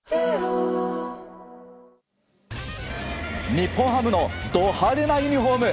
日本ハムのド派手なユニホーム。